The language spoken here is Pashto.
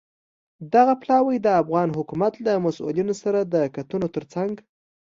دغه پلاوی د افغان حکومت له مسوولینو سره د کتنو ترڅنګ